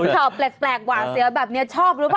ชอบแปลกหว่าเสียแบบเนี้ยชอบรู้ปะ